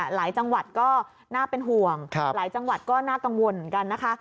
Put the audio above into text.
หลายจังหวัดก็น่าเป็นห่วงหลายจังหวัดก็น่ากังวลเหมือนกันนะคะ